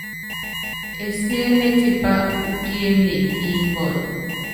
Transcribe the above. Esiéné tipá úpiéne kí mbɔl.